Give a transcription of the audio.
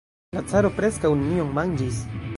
La caro preskaŭ nenion manĝis.